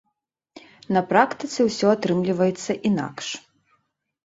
На практыцы ўсё атрымліваецца інакш.